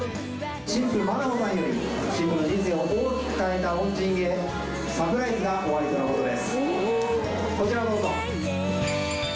新婦、まなほさんより、新婦の人生を大きく変えた恩人へ、サプライズがおありとのことです。